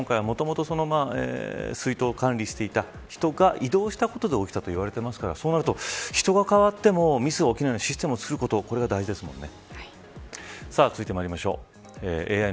確かに、今回はもともと出納にしていた人が異動したことで起きたといわれてますからそうなると人が変わってもミスが起きないようなシステムを作ることが大事ですもんね。